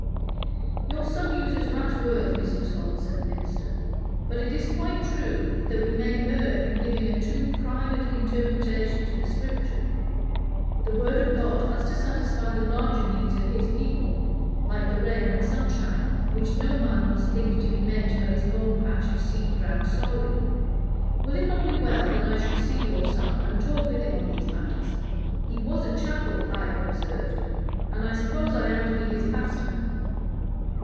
"Your son uses rash words, Mistress Holt," said the minister, "but it is quite true that we may err in giving a too private interpretation to the Scripture. The word of God has to satisfy the larger needs of His people, like the rain and the sunshine which no man must think to be meant for his own patch of seed ground solely. Will it not be well that I should see your son, and talk with him on these matters? He was at chapel, I observe, and I suppose I am to be his pastor."